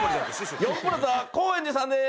ヨンプラザ高円寺さんです。